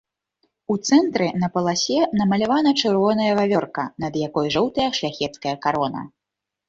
У цэнтры на паласе намалявана чырвоная вавёрка, над якой жоўтая шляхецкая карона.